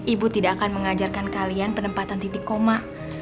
ibu tidak akan mengajarkan kalian penempatan titik koma